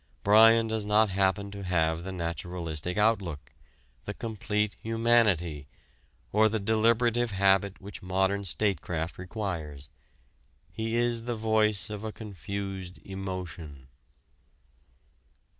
Bryan does not happen to have the naturalistic outlook, the complete humanity, or the deliberative habit which modern statecraft requires. He is the voice of a confused emotion.